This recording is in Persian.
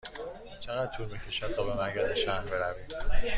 چقدر طول می کشد تا به مرکز شهر برویم؟